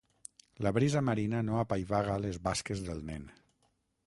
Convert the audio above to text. La brisa marina no apaivaga les basques del nen.